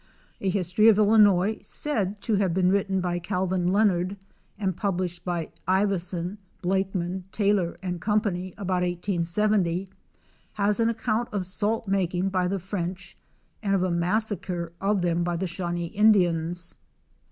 A history of Illinois said to have been written by Calvin Leonard and published by Ivison, Blakeman, Taylor & Co , about 1870, has an aooount of salt making by the French and of a massacre of them by the Shawnee Indians.